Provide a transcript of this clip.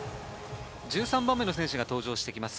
１３番目の選手が登場してきます。